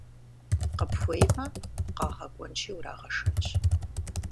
Къыпхуеймэ, къагъэкӀуэнщи урагъэшэнщ.